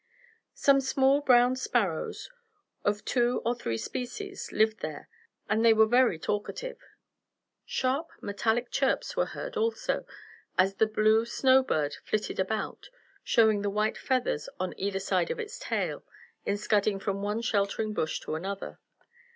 Some small brown sparrows, of two or three species, lived there, and they were very talkative. Sharp, metallic chirps were heard, also, as the blue snow bird flitted about, showing the white feathers on either side of its tail, in scudding from one sheltering bush to another.